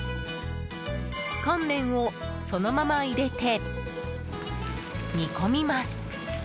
乾麺をそのまま入れて煮込みます。